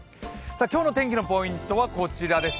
今日の天気のポイントはこちらです。